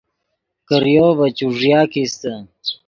کریو ڤے چوݱیا کیستے